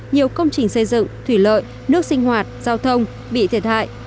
nhiều công trình xây dựng thủy lợi nước sinh hoạt giao thông bị thiệt hại